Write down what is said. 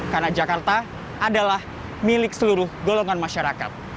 karena jakarta adalah milik seluruh golongan masyarakat